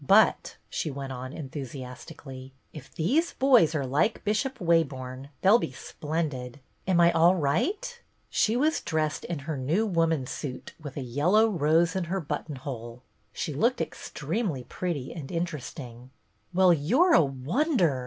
But," she went on en thusiastically, " if these boys are like Bishop Waborne they 'll be splendid. Am I all right ?" She was dressed in her New Woman's suit with a yellow rose in her THE PLAY 143 button hole ; she looked extremely pretty and interesting. " Well, you 're a wonder